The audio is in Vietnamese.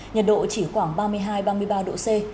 nhiệt độ chỉ khoảng ba mươi hai ba mươi ba độ c